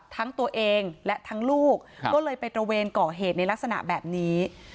ทั้งตัวเองและทั้งลูกก็เลยไปตระเวนก่อเหตุในลักษณะแบบนี้